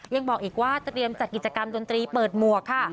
ยังบอกอีกว่าเตรียมจัดกิจกรรมดนตรีเปิดหมวกค่ะ